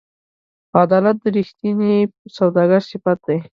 عدالت د رښتیني سوداګر صفت دی.